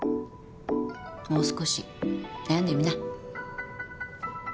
もう少し悩んでみな。